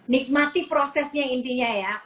nikmati prosesnya intinya ya